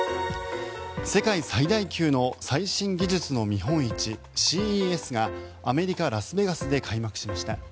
世界最大級の最新技術の見本市ＣＥＳがアメリカ・ラスベガスで開幕しました。